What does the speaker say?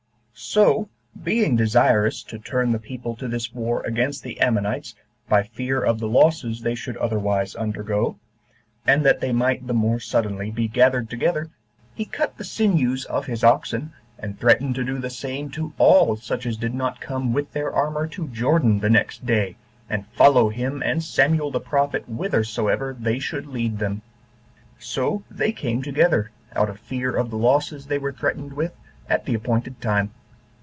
3. So being desirous to turn the people to this war against the Ammonites by fear of the losses they should otherwise undergo, and that they might the more suddenly be gathered together, he cut the sinews of his oxen, and threatened to do the same to all such as did not come with their armor to Jordan the next day, and follow him and Samuel the prophet whithersoever they should lead them. So they came together, out of fear of the losses they were threatened with, at the appointed time.